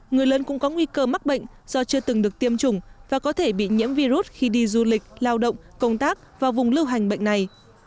người lớn cũng có nguy cơ mắc bệnh do chưa từng được tiêm chủng và có thể bị nhiễm virus khi đi du lịch lao động công tác vào vùng lưu hành bệnh này